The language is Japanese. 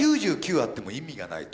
あっても意味がないと。